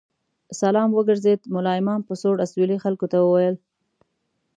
سلام وګرځېد، ملا امام په سوړ اسوېلي خلکو ته وویل.